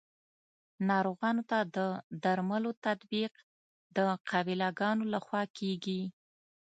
ناروغانو ته د درملو تطبیق د قابله ګانو لخوا کیږي.